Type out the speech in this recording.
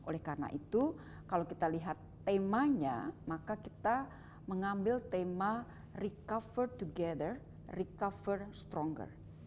oleh karena itu kalau kita lihat temanya maka kita mengambil tema recover together recover stronger